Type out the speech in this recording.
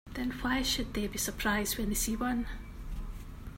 Then why should they be surprised when they see one?